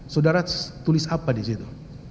saudara tulis apa disitu